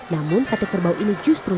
namun sate kerbau ini tidak terlalu keras